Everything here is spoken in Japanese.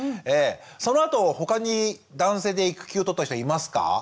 そのあと他に男性で育休を取った人はいますか？